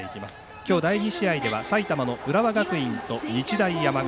きょう第２試合の埼玉の浦和学院と日大山形。